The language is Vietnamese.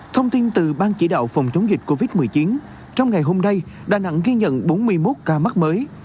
thông tin từ ban chỉ đạo phòng chống dịch covid một mươi chín trong ngày hôm nay đà nẵng ghi nhận bốn mươi một ca mắc mới